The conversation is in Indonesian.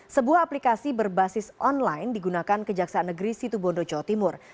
sebuah aplikasi berbasis online digunakan kejaksaan negeri situbondo jawa timur